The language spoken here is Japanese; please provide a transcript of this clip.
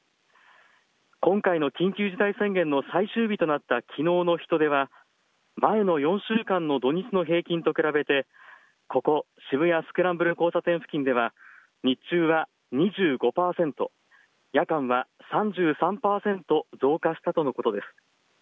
今回の緊急事態宣言の最終日となったきのうの人出は前の４週間の土日の平均と比べてここ、渋谷スクランブル交差点付近では日中は２５％、夜間は３３％増加したとのことです。